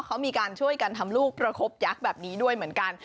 เขามีการช่วยกันทำลูกประคบยักษ์แบบนี้ด้วยเหมือนกัน